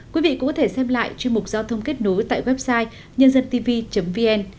quý vị cũng có thể xem lại chuyên mục giao thông kết nối tại website nhândântv vn